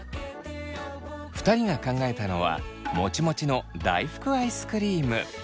２人が考えたのはモチモチの大福アイスクリーム。